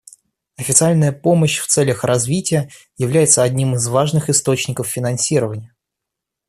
Официальная помощь в целях развития является одним из важных источников финансирования.